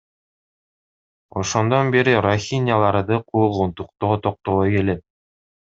Ошондон бери рохиняларды куугунтуктоо токтобой келет.